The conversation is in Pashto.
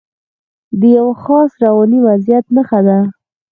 د یوه خاص رواني وضعیت نښه ده.